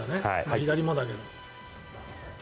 左もだけど。